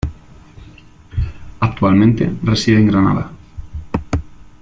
Actualmente reside en Granada.